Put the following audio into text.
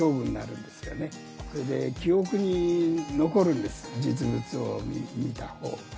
それで記憶に残るんです実物を見たほうが。